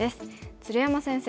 鶴山先生